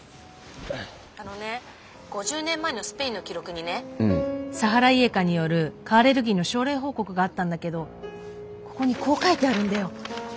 あのね５０年前のスペインの記録にねサハライエカによる蚊アレルギーの症例報告があったんだけどここにこう書いてあるんだよ。